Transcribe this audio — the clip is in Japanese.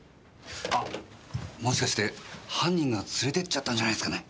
あっもしかして犯人が連れてっちゃったんじゃないすかね？